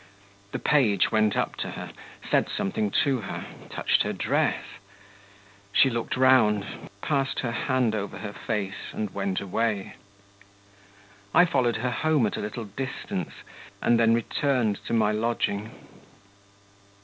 The page went up to her, said something to her, touched her dress; she looked round, passed her hand over her face, and went away. I followed her home at a little distance, and then returned to my lodging.